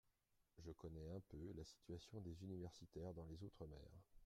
Je connais un peu la situation des universitaires dans les outre-mer.